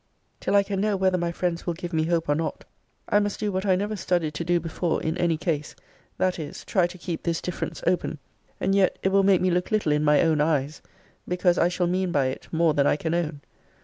Till I can know whether my friends will give me hope or not, I must do what I never studied to do before in any case; that is, try to keep this difference open: and yet it will make me look little in my own eyes; because I shall mean by it more than I can own.